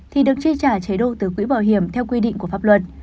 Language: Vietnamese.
thì được chi trả chế độ từ quỹ bảo hiểm theo quy định của pháp luật